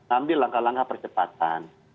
ambil langkah langkah percepatan